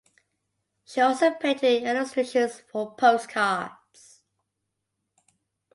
She also painted illustrations for postcards.